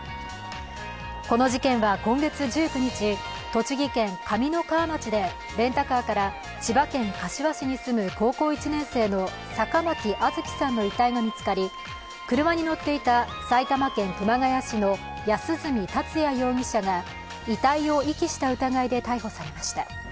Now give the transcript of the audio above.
この事件は今月１９日、栃木県上三川町でレンタカーから千葉県柏市に住む高校１年生の坂巻杏月さんの遺体が見つかり、車に乗っていた埼玉県熊谷市の安栖達也容疑者が遺体を遺棄した疑いで逮捕されました。